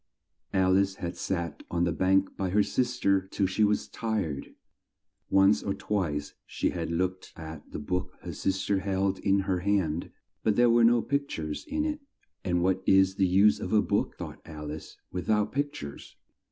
Al ice had sat on the bank by her sis ter till she was tired. Once or twice she had looked at the book her sis ter held in her hand, but there were no pict ures in it, "and what is the use of a book," thought Alice, "with out pict ures?"